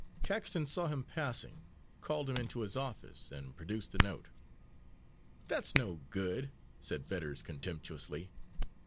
Caxton saw him passing, called him into his office, and produced the note. "That's no good," said Fetters contemptuously.